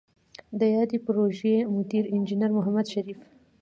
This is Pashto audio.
د یادې پروژې مدیر انجنیر محمد شریف